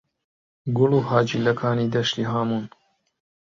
«گوڵ و حاجیلەکانی دەشتی هاموون»